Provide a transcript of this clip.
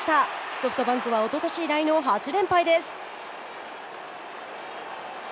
ソフトバンクはおととし以来の８連敗です。